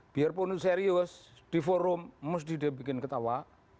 biar pun serius di forum mesti dia bikin ketawa